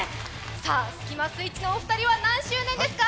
さあスキマスイッチのお二人は何周年ですか？